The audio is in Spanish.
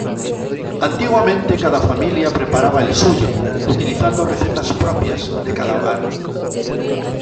Antiguamente cada familia preparaba el suyo, utilizando recetas propias de cada hogar.